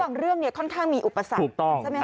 เขาบอกเรื่องนี้ค่อนข้างมีอุปสรรค์ใช่ไหมคะถูกต้อง